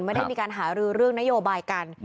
ไม่ได้มีการหารือเรื่องนโยบายกัน